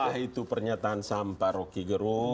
sampah itu pernyataan sampah roky gerung